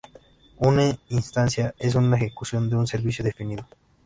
Una "instancia" es una ejecución de un servicio definido.